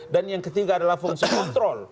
dan yang ketiga adalah fungsi kontrol